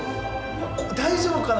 大丈夫かな？